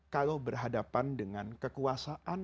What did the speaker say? kalau berhadapan dengan kekuasaan